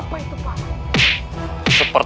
saya tidak tahu